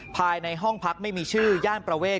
ภายในห้องพักไม่มีชื่อย่านประเวท